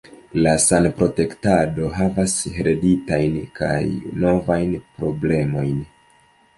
La sanprotektado havas hereditajn kaj novajn problemojn.